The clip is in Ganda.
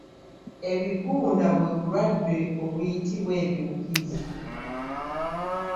Ebiguuna bwe bulwadde obiyitibwa ebiwukiizi.